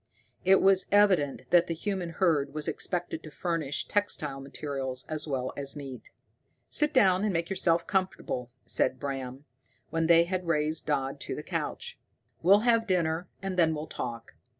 It was evident that the human herd was expected to furnish textile materials as well as meat. "Sit down, and make yourself comfortable," said Bram, when they had raised Dodd to the couch. "We'll have dinner, and then we'll talk.